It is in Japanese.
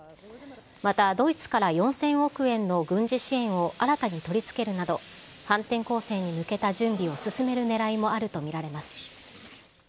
またドイツから４０００億円の軍事支援を新たに取り付けるなど、反転攻勢に向けた準備を進めるねらいもあると見られます。